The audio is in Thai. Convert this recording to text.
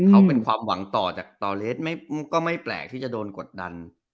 เขาเป็นความหวังต่อจากต่อเลสก็ไม่แปลกที่จะโดนกดดัน